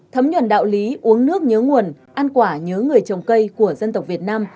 thấm nhuận đạo lý uống nước nhớ nguồn ăn quả nhớ người trồng cây của dân tộc việt nam